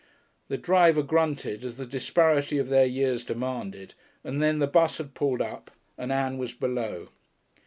The driver grunted, as the disparity of their years demanded, and then the bus had pulled up, and Ann was below.